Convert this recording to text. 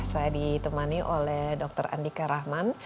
saya ditemani oleh dr andika rahman